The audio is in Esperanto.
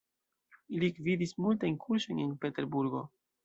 Li gvidis multajn kursojn en Peterburgo.